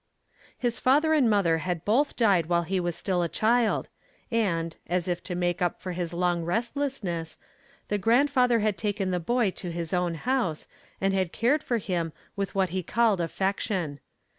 His father and mother had both died while he was still a child, and, as if to make up for his long relentlessness, the grandfather had taken the boy to his own house and had cared for him with what he called affection.